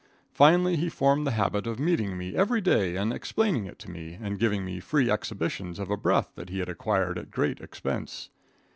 Finally he formed the habit of meeting me every day and explaining it to me, and giving me free exhibitions of a breath that he had acquired at great expense.